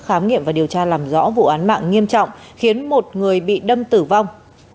khám nghiệm và điều tra làm rõ vụ án mạng nghiêm trọng khiến một người bị đâm tử vong